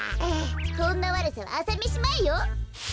こんなわるさはあさめしまえよ。